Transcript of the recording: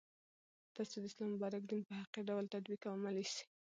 ترڅو د اسلام مبارک دين په حقيقي ډول تطبيق او عملي سي